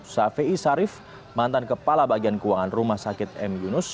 safei sarif mantan kepala bagian keuangan rumah sakit m yunus